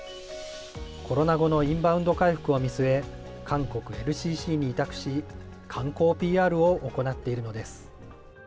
コロナ後のインバウンド回復を見据え、韓国ＬＣＣに委託し、観光ＰＲを行っているのです。